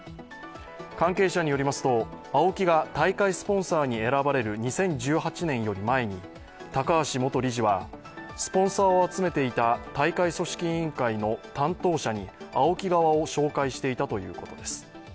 関係者によりますと、ＡＯＫＩが大会スポンサーに選ばれる２０１８年より前に高橋元理事はスポンサーを集めていた大会組織委員会の担当者にＡＯＫＩ側を紹介していたということです。